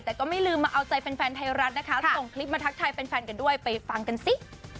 แต่ก็ไม่ลืมมาเอาใจแฟนไทยรัฐนะคะส่งคลิปมาทักทายแฟนกันด้วยไปฟังกันสิ